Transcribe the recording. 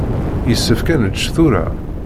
Yessefk ad nečč tura.